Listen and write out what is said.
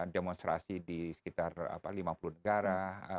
demonstrasi di sekitar lima puluh negara